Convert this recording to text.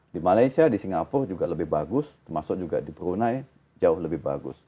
di malaysia di singapura juga lebih bagus termasuk juga di brunei jauh lebih bagus